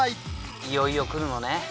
いよいよ、来るのね。